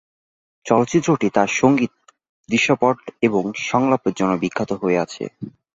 চলচ্চিত্রটি তার সঙ্গীত, দৃশ্যপট এবং সংলাপের জন্য বিখ্যাত হয়ে আছে।